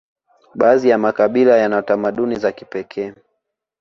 baadhi ya makabila yana tamaduni za kipekee